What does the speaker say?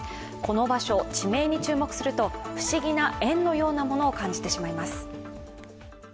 この場所、地名に注目すると不思議な縁のようなものを感じてしまいます。